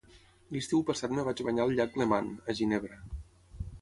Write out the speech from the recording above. L'estiu passat em vaig banyar al llac Leman, a Ginebra.